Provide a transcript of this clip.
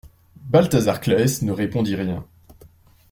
Balthazar Claës ne répondit rien.